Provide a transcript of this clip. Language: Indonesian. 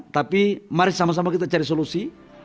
tapi mari sama sama kita cari solusi